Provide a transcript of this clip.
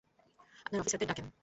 আপনার অফিসারদের ডাকেন।